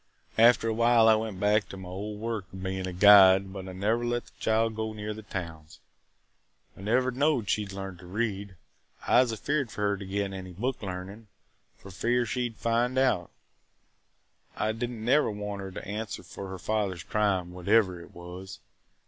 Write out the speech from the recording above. "After a while I went back to my old work of bein' a guide but I never let the child go near the towns. I never knowed she 'd learned to read. I was afeard for her to get any book learnin' – for fear she 'd – find out. I did n't never want her to have to answer for her father's crime – whatever it was.